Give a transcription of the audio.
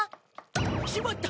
しまった！